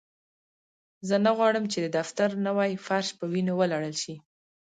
زه نه غواړم چې د دفتر نوی فرش په وینو ولړل شي